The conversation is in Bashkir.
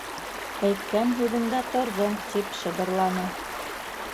Әйткән һүҙеңдә торҙоң, - тип шыбырланы.